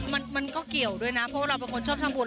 มันมันก็เกี่ยวด้วยนะเพราะว่าเราเป็นคนชอบทำบุญ